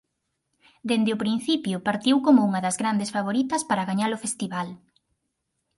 Dende o principio partiu como unha das grandes favoritas para gañar o festival.